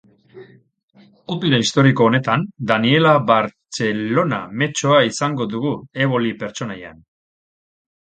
Opera historiko honetan, Daniella Barcellona mezzoa izango dugu, Eboli pertsonaian.